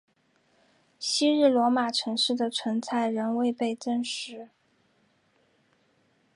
昔日罗马城市的存在仍未被证实。